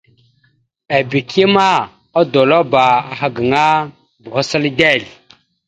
Ebeke ma odolabáaha gaŋa boho səla dezl.